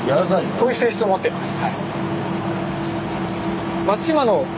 そういう性質を持っています。